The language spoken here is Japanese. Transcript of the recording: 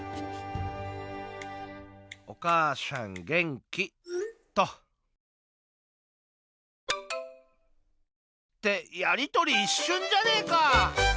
「お母さん元気？」っと。ってやり取りいっしゅんじゃねえか。